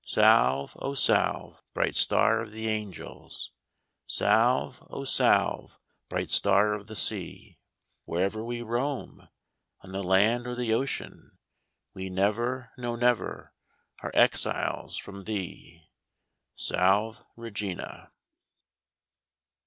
Salve, O Salve, Bright Star of the Angels, Salve, O Salve, Bright Star of the Sea ; Wherever we roam. On the land or the ocean. We never, no, never, Are exiles from thee. Salve, Regina.